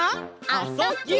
「あ・そ・ぎゅ」